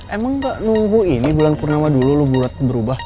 emang gak nunggu ini bulan purnama dulu lu bulat berubah